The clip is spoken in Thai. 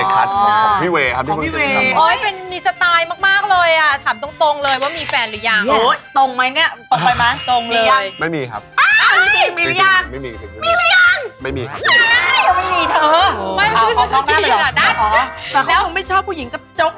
ก็จะแบบถ่ายรูปมาแล้วจะแคปมาแล้วก็แบบเอามาลองสัก